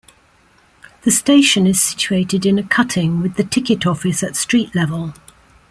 The station is situated in a cutting with the ticket office at street level.